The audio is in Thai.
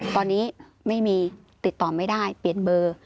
ตอนนี้ไม่มีติดต่อไม่ได้เปลี่ยนเบอร์